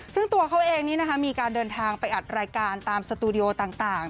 ซึ่งตัวเขาเองนี้นะคะมีการเดินทางไปอัดรายการตามสตูดิโอต่าง